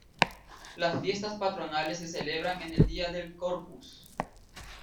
Las fiestas patronales se celebran en el día del Corpus.